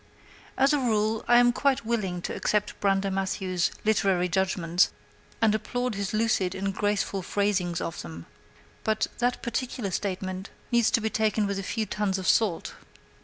As a rule, I am quite willing to accept Brander Matthews's literary judgments and applaud his lucid and graceful phrasing of them; but that particular statement needs to be taken with a few tons of salt.